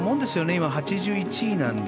今、８１位なので。